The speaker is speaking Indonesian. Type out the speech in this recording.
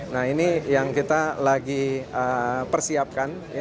nah ini yang kita lagi persiapkan